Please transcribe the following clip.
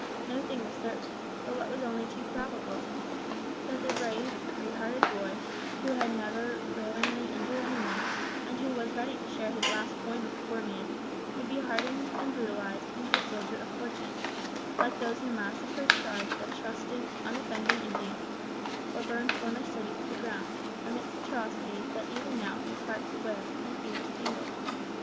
No thing was certain; but what was only too probable? That the brave, free hearted boy, who had never willingly injured any one, and who was ready to share his last coin with the poor man, would be hardened and brutalized into a soldier of fortune, like those who massacred tribes of trusting, unoffending Indians, or burned Flemish cities to the ground, amidst atrocities that even now make hearts quail and ears tingle.